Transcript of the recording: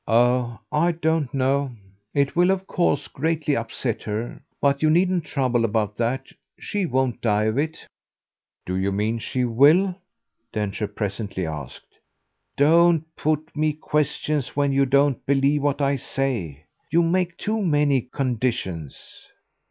"Oh I don't know. It will of course greatly upset her. But you needn't trouble about that. She won't die of it." "Do you mean she WILL?" Densher presently asked. "Don't put me questions when you don't believe what I say. You make too many conditions."